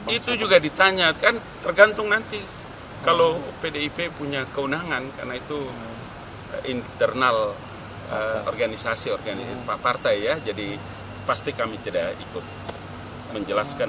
itu juga ditanyakan tergantung nanti kalau pdip punya keunangan karena itu internal organisasi organisasi partai ya jadi pasti kami tidak ikut menjelaskan